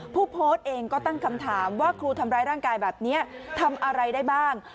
ผู้โพสต์เองก็ตั้งคำถามว่าครูทำร้ายร่างกายแบบนี้ทำอะไรได้บ้าง